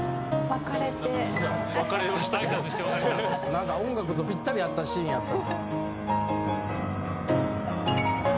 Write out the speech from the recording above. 何か音楽とぴったり合ったシーンやった。